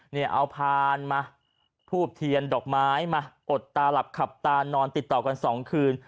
เนี่ยเอาพานมาทูบเทียนดอกไม้มาอดตาหลับขับตานอนติดต่อกันสองคืน